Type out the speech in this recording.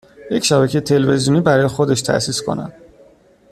یک شبکه تلویزیونی برای خودش تاسیس کند